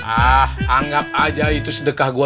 ah anggap aja itu sedekah gue